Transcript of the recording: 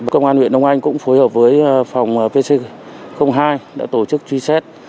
công an huyện đông anh cũng phối hợp với phòng vc hai đã tổ chức truy xét